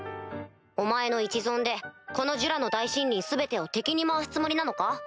お前の一存でこのジュラの大森林全てを敵に回すつもりなのか？